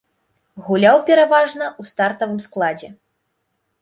Гуляў пераважна ў стартавым складзе.